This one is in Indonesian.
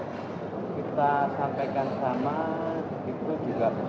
kita sampaikan sama itu juga